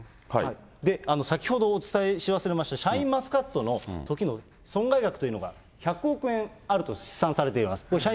先ほどお伝えし忘れました、シャインマスカットのときの損害額というのが、１００億円あると試算されています。